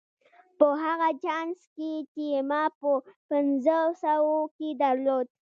په هغه چانس کې چې ما په پنځوسو کې درلود.